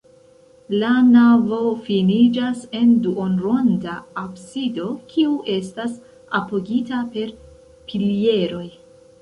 La navo finiĝas en duonronda absido, kiu estas apogita per pilieroj.